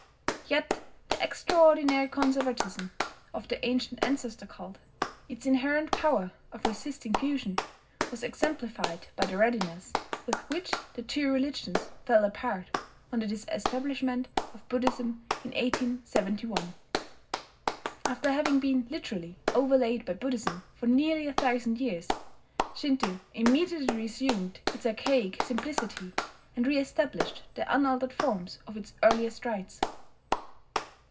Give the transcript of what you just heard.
Yet the extraordinary conservatism of the ancient ancestor cult its inherent power of resisting fusion was exemplified by the readiness with which the two religions fell apart on the disestablishment of Buddhism in 1871. After having been literally overlaid by Buddhism for nearly a thousand years, Shinto immediately reassumed its archaic simplicity, and reestablished the unaltered forms of its earliest rites.